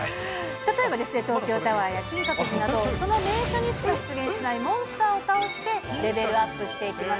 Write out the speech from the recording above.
例えば、東京タワーや金閣寺など、その名所にしか出現しないモンスターを倒してレベルアップしていきます。